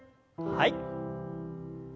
はい。